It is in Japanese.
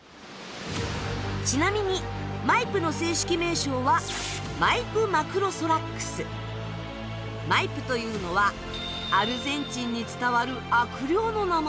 ちなみにマイプの正式名称はマイプというのはアルゼンチンに伝わる悪霊の名前。